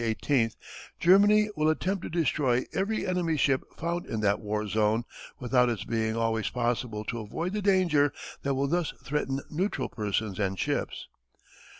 18th, Germany "will attempt to destroy every enemy ship found in that war zone, without its being always possible to avoid the danger that will thus threaten neutral persons and ships."